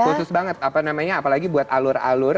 khusus banget apalagi buat alur alur